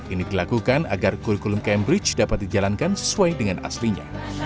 ini dilakukan agar kurikulum cambridge dapat dijalankan sesuai dengan aslinya